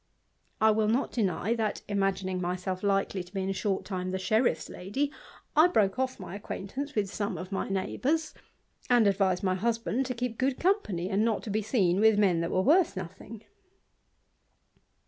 \ will n deny that, imagining myself likely to be in a short time sheriffs lady, I broke ofif my acquaintance with some my neighbours; and advised my husband to keep company, and not to be seen with men that were wo: nothing.